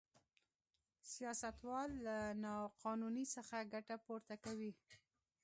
سیاستوال له نا قانونۍ څخه ګټه پورته کوي.